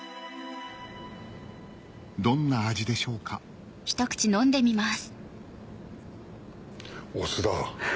どんな味でしょうかお酢だ。